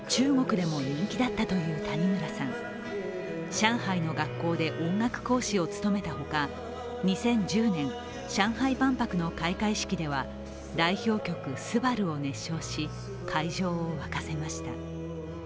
上海の学校で、音楽講師を務めたほか２０１０年、上海万博の開会式では代表曲「昴−すばる−」を熱唱し会場を沸かせました。